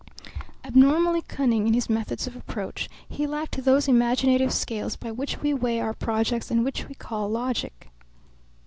Abnormally cunning in his methods of approach, he lacked those imaginative scales by which we weigh our projects and which we call logic.